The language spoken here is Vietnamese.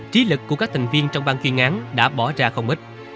trí lực của các thành viên trong ban chuyên án đã bỏ ra không ít